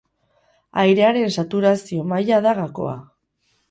Airearen saturazio maila da gakoa.